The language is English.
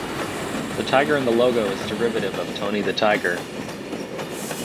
The tiger in the logo is derivative of Tony the Tiger.